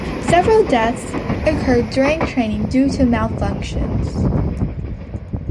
Several deaths occurred during training due to malfunctions.